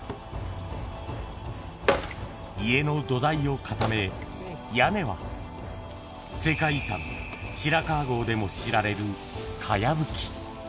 家の土台を固め、屋根は、世界遺産、白川郷でも知られるかやぶき。